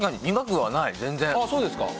そうですか。